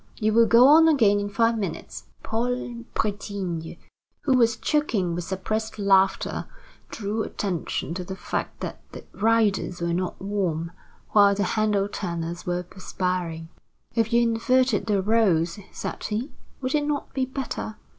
You will go on again in five minutes." Paul Bretigny, who was choking with suppressed laughter, drew attention to the fact that the riders were not warm, while the handle turners were perspiring. "If you inverted the rôles," said he, "would it not be better?"